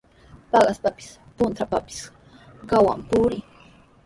Paqaspapis, puntrawpapis qamwan purii.